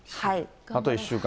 あと１週間。